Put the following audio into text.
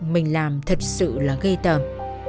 mình làm thật sự là gây tầm